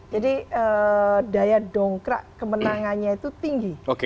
jadi daya dongkrak kemenangannya itu tinggi